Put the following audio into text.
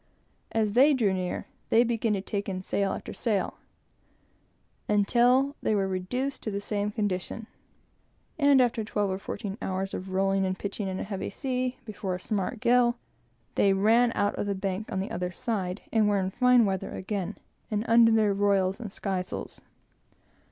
As they drew near, they began to take in sail after sail, until they were reduced to the same condition; and, after twelve or fourteen hours of rolling and pitching in a heavy sea, before a smart gale, they ran out of the bank on the other side, and were in fine weather again, and under their royals and skysails.